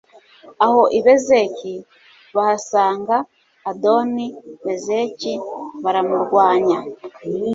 aho i bezeki, bahasanga adoni bezeki baramurwanya